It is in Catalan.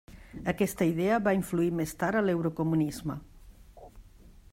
Aquesta idea va influir més tard a l'eurocomunisme.